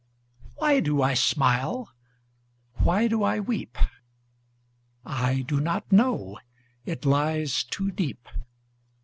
Why do I smile? Why do I weep?I do not know; it lies too deep.